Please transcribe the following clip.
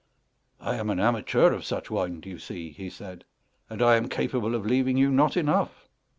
"I am an amateur of such wine, do you see?" he said, "and I am capable of leaving you not enough."